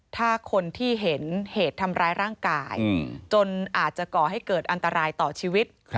ถ้าคนที่เห็นเหตุทำร้ายร่างกายจนอาจจะก่อให้เกิดอันตรายต่อชีวิต